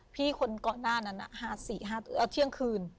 พี่คนก่อนหน้านั้น๕๔๕แล้วเที่ยงคืน